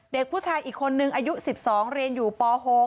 เด็กผู้ชายอีกคนนึงอายุ๑๒เรียนอยู่ป๖